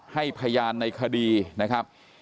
พยานในคดีนะครับ